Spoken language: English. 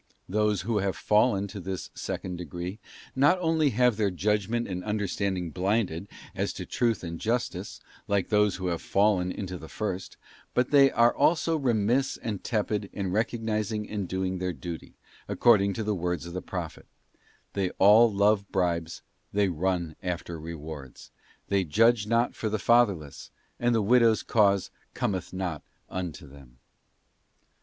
Those who have fallen to this second degree, not only have their judgment and understanding blinded as to truth and justice, like those who have fallen into the first ; but they are also remiss and tepid in recognising and doing their duty, according to the words of the Prophet: 'They all love bribes, they run after rewards. They judge not for the fatherless ; and the widow's cause cometh not unto them.